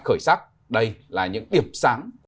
khởi sắc đây là những điểm sáng